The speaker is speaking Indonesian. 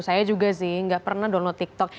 saya juga sih nggak pernah download tiktok